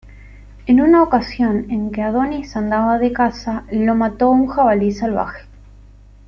En una ocasión en que Adonis andaba de caza, lo mató un jabalí salvaje.